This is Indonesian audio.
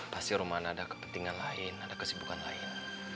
pasti roman ada kepentingan lain ada kesibukan lain